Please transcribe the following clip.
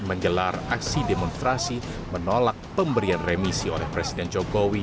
menggelar aksi demonstrasi menolak pemberian remisi oleh presiden jokowi